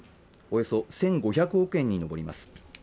およそ１５００億円に上ります